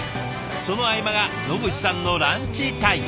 その合間が野口さんのランチタイム。